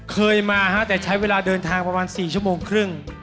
เคยมาแต่ใช้เวลาเดินทางประมาณ๔ชั่วโมงครึ่ง